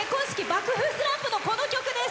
爆風スランプの、この曲です。